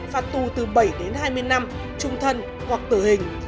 phạt tù từ bảy đến hai mươi năm trung thân hoặc tử hình